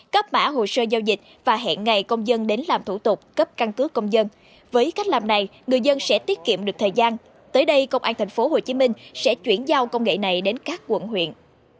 cấp mã hồ sơ giao dịch và hẹn ngày công dân đến làm thủ tục cấp căn cước công dân với cách làm này người dân sẽ tiết kiệm được thời gian tới đây công an tp hcm sẽ chuyển giao công nghệ này đến các quận huyện